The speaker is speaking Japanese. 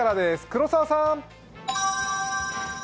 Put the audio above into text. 黒澤さん。